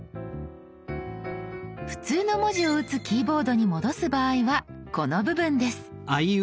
普通の文字を打つキーボードに戻す場合はこの部分です。